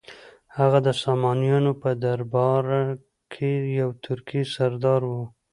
هغه د سامانیانو په درباره کې یو ترکي سردار و.